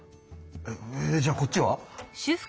えじゃあこっちは？